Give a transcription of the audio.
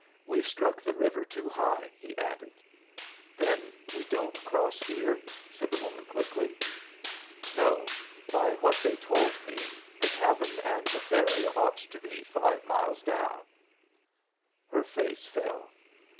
"We've struck the river too high," he added. "Then we don't cross here?" said the woman, quickly. "No. By what they told me the cabin and the ferry ought to be five miles down." Her face fell.